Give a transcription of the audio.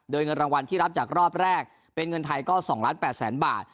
โดยเงินรางวัลที่รับจากรอบแรกเป็นเงินไทยก็๒ล้าน๘แสนบาท